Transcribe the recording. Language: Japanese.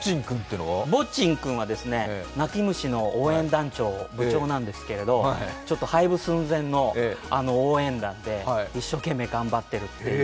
泣き虫の応援団長、部長なんですけど、廃部寸前の応援団で一生懸命頑張ってるという。